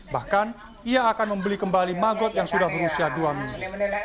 bahkan ia akan membeli kembali magot yang sudah berusia dua minggu